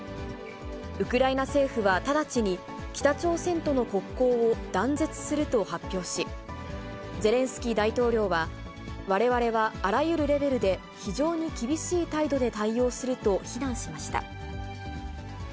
ウクライナ政府は直ちに北朝鮮との国交を断絶すると発表し、ゼレンスキー大統領は、われわれはあらゆるレベルで、非常に厳しい態度で対応すると、非難しました。